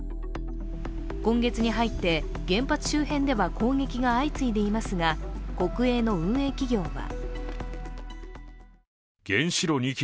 今月に入って原発周辺では攻撃が相次いでいますが、国営の運営企業は。